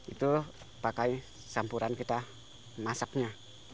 itu pakai sampuran kita masaknya